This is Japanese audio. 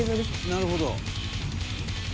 「なるほど」